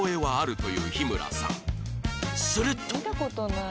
すると